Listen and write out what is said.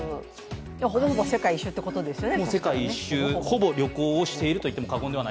ほとんど世界一周ということですね。